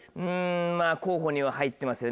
まぁ候補には入ってますよね